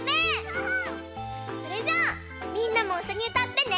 それじゃあみんなもいっしょにうたってね！